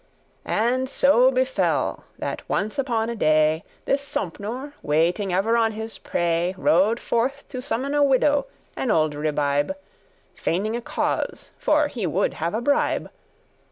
And so befell, that once upon a day. This Sompnour, waiting ever on his prey, Rode forth to summon a widow, an old ribibe,<4> Feigning a cause, for he would have a bribe.